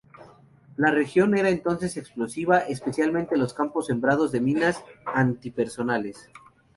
La región era entonces explosiva, especialmente los campos sembrados de minas antipersonales.